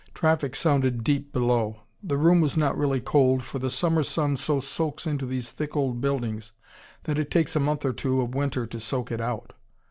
Traffic sounded deep below. The room was not really cold, for the summer sun so soaks into these thick old buildings, that it takes a month or two of winter to soak it out.